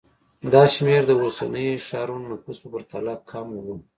دا شمېر د اوسنیو ښارونو نفوس په پرتله کم و